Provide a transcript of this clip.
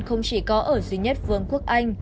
không chỉ có ở duy nhất vương quốc anh